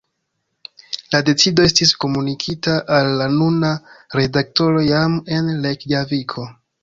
La decido estis komunikita al la nuna redaktoro jam en Rejkjaviko.